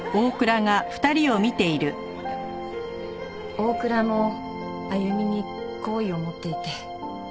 大倉もあゆみに好意を持っていて。